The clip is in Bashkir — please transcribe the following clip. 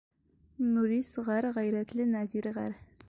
Нурис ғәр. — ғәйрәтле Нәзир ғәр.